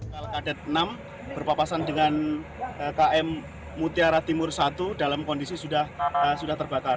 kalkadet enam berpapasan dengan km mutiara timur satu dalam kondisi sudah terbakar